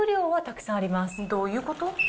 どういうこと？